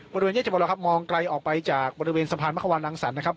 บริเวณแยกเจ้าประรอครับมองไกลออกไปจากบริเวณสะพานมะขวานอังสันนะครับ